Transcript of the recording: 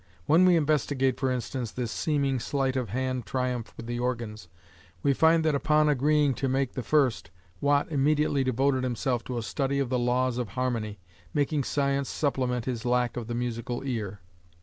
When we investigate, for instance, this seeming sleight of hand triumph with the organs, we find that upon agreeing to make the first, Watt immediately devoted himself to a study of the laws of harmony, making science supplement his lack of the musical ear.